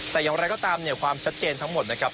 แต่อย่างไรก็ตามเนี่ยความชัดเจนทั้งหมดนะครับ